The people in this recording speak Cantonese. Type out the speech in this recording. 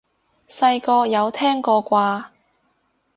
細個有聽過啩？